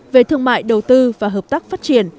về thương mại đầu tư và hợp tác phát triển